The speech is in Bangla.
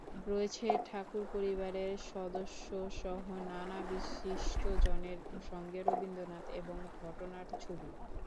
রয়েছে ঠাকুর পরিবারের সদস্যসহ নানা বিশিষ্টজনের সঙ্গে রবীন্দ্রনাথ এবং ঘটনার ছবি।